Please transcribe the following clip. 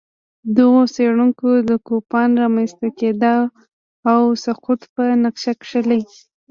دغو څېړونکو د کوپان رامنځته کېدا او سقوط په نقشه کښلي